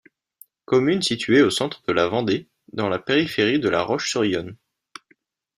Commune située au centre de la Vendée, dans la périphérie de La Roche-sur-Yon.